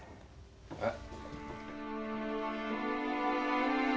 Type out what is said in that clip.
えっ？